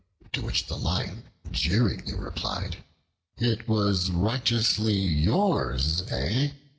To which the Lion jeeringly replied, "It was righteously yours, eh?